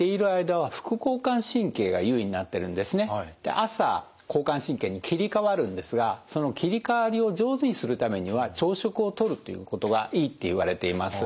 朝交感神経に切り替わるんですがその切り替わりを上手にするためには朝食をとるっていうことがいいっていわれています。